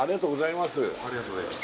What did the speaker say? ありがとうございます